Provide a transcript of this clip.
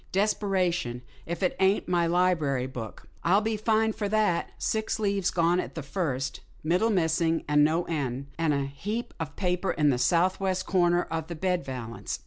"Desperation! if it ain't my library book. I'll be fined for that. Six leaves gone at the first — middle missing, and no end — and a heap of paper in the southwest corner of the bed valance.